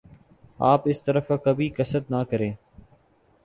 آپ اس طرف کا کبھی قصد نہ کریں ۔